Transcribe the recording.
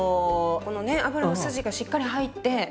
このね脂の筋がしっかり入って。